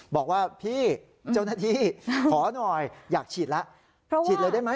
บอกว่าพี่เจ้านาธิขอหน่อยอยากฉีดแล้ว